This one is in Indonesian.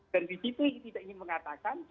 dan di situ tidak ingin mengatakan